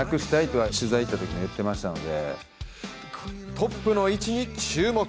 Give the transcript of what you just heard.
トップの位置に注目。